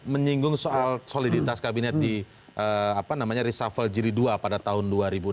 saya singgung soal soliditas kabinet di apa namanya reshuffle jiri dua pada tahun dua ribu enam belas